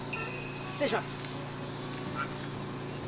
失礼します。